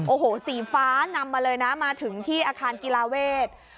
โอ้โหสีฟ้านำมาเลยนะมาถึงที่อาคารกีฬาเวท